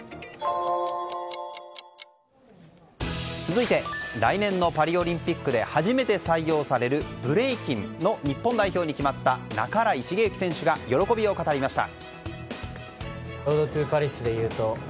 続いて来年のパリオリンピックで初めて採用されるブレイキンの日本代表に決まった半井重幸選手が喜びを語りました。